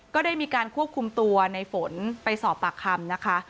ก็ได้มีการควบคุมตัวในฝนไปสอบปากคำนะคะ